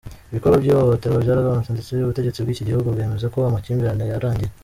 Ibikorwa by’ihohoterwa byaragabanutse ndetse ubutegetsi bw’iki gihugu bwemeza ko amakimbirane yarangiye.